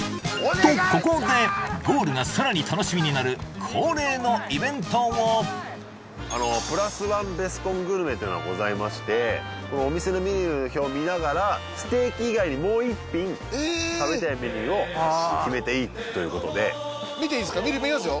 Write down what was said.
とここでゴールがさらに楽しみになる恒例のイベントをあのプラスワンベスコングルメというのがございましてお店のメニュー表見ながらステーキ以外にもう一品食べたいメニューを決めていいということで見ていいですか？